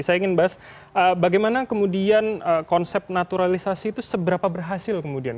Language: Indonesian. saya ingin bahas bagaimana kemudian konsep naturalisasi itu seberapa berhasil kemudian